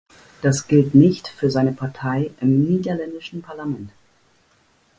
Das gilt nicht für seine Partei im niederländischen Parlament.